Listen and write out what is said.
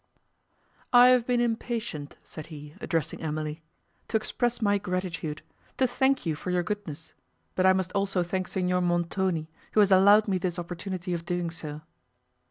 "I have been impatient," said he, addressing Emily, "to express my gratitude; to thank you for your goodness; but I must also thank Signor Montoni, who has allowed me this opportunity of doing so."